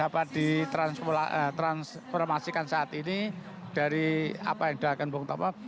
apa yang dapat ditransformasikan saat ini dari apa yang dilakukan bung tomau